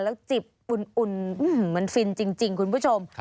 แล้วจิบอุ่นมันฟินจริงคุณผู้ชม